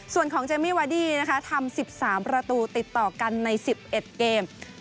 ส่วนของเจมมี่วาดี้นะคะทำ๑๓ประตูติดต่อกันใน๑๑เกม